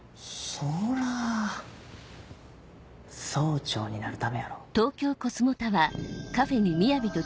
そらぁ総長になるためやろ。